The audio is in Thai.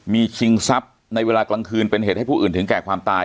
มีชิงทรัพย์ในเวลากลางคืนเป็นเหตุให้ผู้อื่นถึงแก่ความตาย